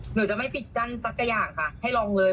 เหมียวจะไม่ปิดจันทร์สักกระอย่างค่ะให้ลองเลย